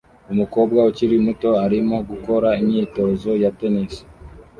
Umukobwa ukiri muto arimo gukora imyitozo ya tennis